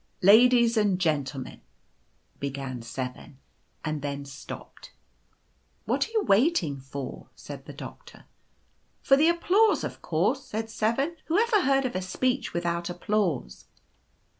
" c Ladies and Gentlemen —' began 7, and then stopped. f€ c What are you waiting for ?' said the Doctor. " c For the applause, of course/ said 7. ' Who ever . heard of a speech without applause